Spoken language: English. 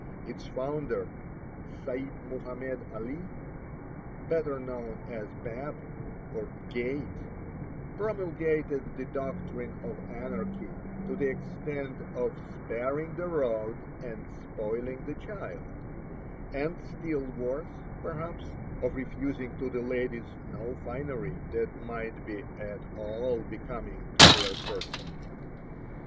Its founder, Seyd Mohammed Ali, better known as Bab, or "Gate," promulgated the doctrine of anarchy to the extent of "sparing the rod and spoiling the child," and still worse, perhaps, of refusing to the ladies no finery that might be at all becoming to their person.